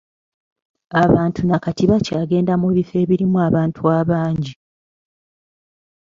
Abantu na kati bakyagenda mu bifo ebirimu abantu abangi.